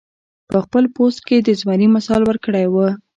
پۀ خپل پوسټ کښې د زمري مثال ورکړے وۀ -